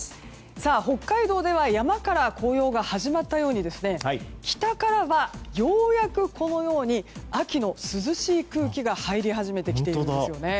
北海道では山から紅葉が始まったように北からは、ようやく秋の涼しい空気が入り始めてきたんですよね。